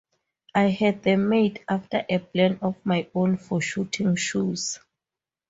I had them made after a plan of my own, for shooting-shoes.